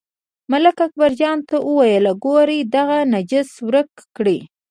ملک اکبرجان ته وویل، ګورئ دغه نجس ورک کړئ.